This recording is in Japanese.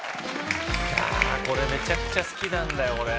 これめちゃくちゃ好きなんだよ。